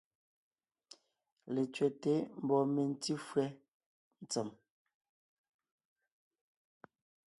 Letsẅɛ́te mbɔɔ mentí fÿɛ́ ntsèm.